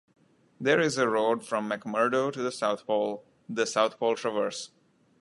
There is a road from McMurdo to the South Pole, the South Pole Traverse.